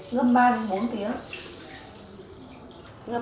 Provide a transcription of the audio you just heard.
ngâm ba bốn tiếng